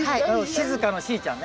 志津香のしーちゃんね。